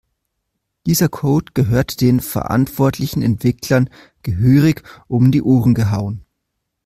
Dieser Code gehört den verantwortlichen Entwicklern gehörig um die Ohren gehauen.